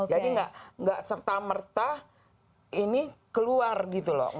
jadi tidak serta merta ini keluar gitu loh